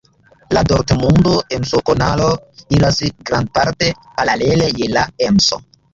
La Dortmundo-Emsokanalo iras grandparte paralele je la Emso.